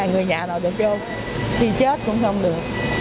người nhà nào được vô thì chết cũng không được